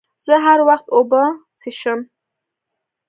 زه هر وخت اوبه څښم.